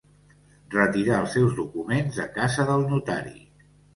Retirar els seus documents de casa del notari.